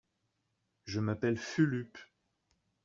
Je m'appelle Fulup.